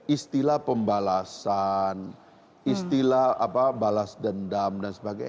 istilah pembalasan istilah balas dendam dan sebagainya